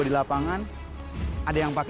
karena jangan jauhi the ball